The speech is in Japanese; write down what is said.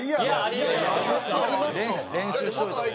ありますよ。